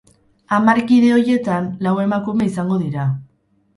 Hamar kide horietan, lau emakume izango dira.